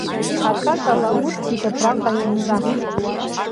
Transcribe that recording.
Акакала урҭ зегь абраҟа ианҵа.